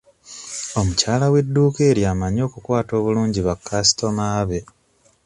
Omukyala w'edduuka eryo amanyi okukwata obulungi ba kasitooma be.